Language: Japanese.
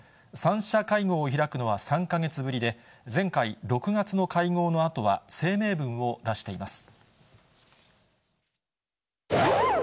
３者会合を開くのは３か月ぶりで、前回・６月の会合のあとは、声明文を出しています。